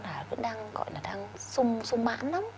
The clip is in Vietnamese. vẫn đang gọi là đang sung mãn lắm